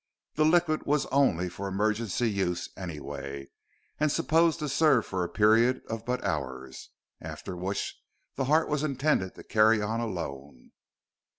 The liquid was only for emergency use, anyway, and supposed to serve for a period of but hours, after which the heart was intended to carry on alone.